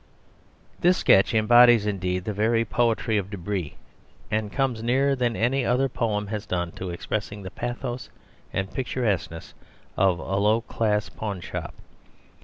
This sketch embodies indeed the very poetry of débris, and comes nearer than any other poem has done to expressing the pathos and picturesqueness of a low class pawnshop.